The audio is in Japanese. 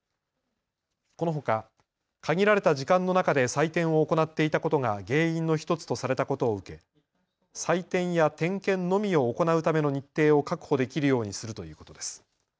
このほか、限られた時間の中で採点を行っていたことが原因の１つとされたことを受け採点や点検のみを行うための日程を確保できるようにするということです。